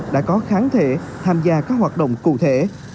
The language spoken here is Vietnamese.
đã có kháng thể tham gia các hoạt động cụ thể